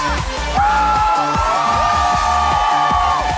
โอ้โฮ